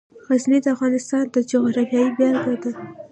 غزني د افغانستان د جغرافیې بېلګه ده.